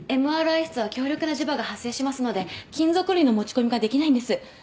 ＭＲＩ室は強力な磁場が発生しますので金属類の持ち込みができないんです。